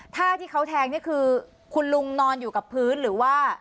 ท่าที่เขาแทงนี่คือคุณลุงนอนอยู่กับพื้นหรือว่า